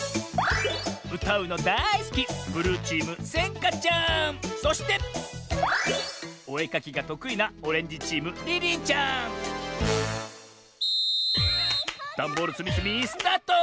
うたうのだいすきそしておえかきがとくいなダンボールつみつみスタート！